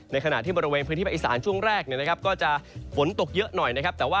ขณะที่บริเวณพื้นที่ภาคอีสานช่วงแรกก็จะฝนตกเยอะหน่อยนะครับ